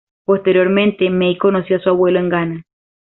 Posteriormente May conoció a su abuelo en Gana.